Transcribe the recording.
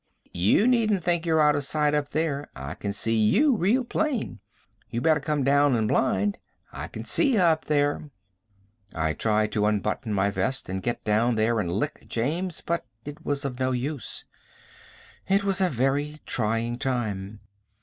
You needn't think you're out of sight up there. I can see you real plain. You better come down and blind. I can see ye up there!" I tried to unbutton my vest and get down there and lick James, but it was of no use. It was a very trying time.